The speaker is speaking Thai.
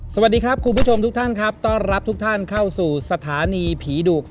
สวัสดีครับคุณผู้ชมทุกท่านครับต้อนรับทุกท่านเข้าสู่สถานีผีดุ